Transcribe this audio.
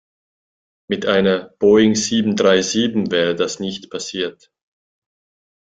Mit einer Boeing sieben-drei-sieben wäre das nicht passiert.